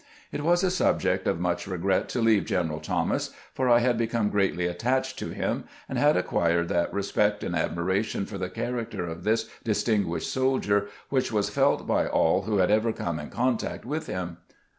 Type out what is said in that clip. It was a subject of much regret to leave General Thomas, for I had become greatly attached to him, and had acquired that respect and admiration for the character of this distinguished soldier which was felt by all who had ever come in contact with him.